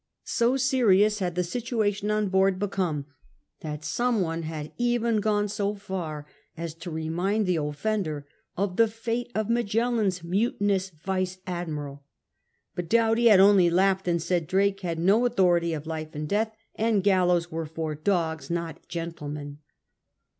So serious had the situation on board become that some one had even gone so far as to remind the offender of the fate of Magellan's mutinous vice admiral, but Doughty had only laughed and said Drake had no authority of life and death, and gallows were for dogs, not gentlemen.